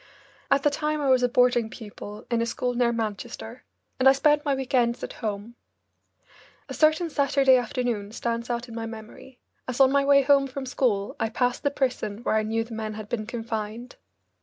At the time I was a boarding pupil in a school near Manchester, and I spent my week ends at home. A certain Saturday afternoon stands out in my memory, as on my way home from school I passed the prison where I knew the men had been confined.